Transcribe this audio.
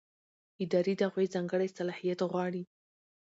اداري دعوې ځانګړی صلاحیت غواړي.